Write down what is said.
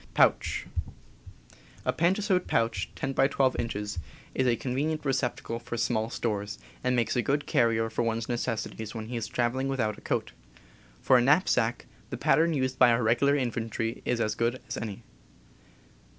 A pantasote pouch, 10x12 inches, is a convenient 36 CAMPING AND WOODCRAFT receptacle for small stores, and makes a good carrier p , for one's necessities when he is travel ing without a coat. For a knapsack, the pattern used by our regular infantry is as good as any.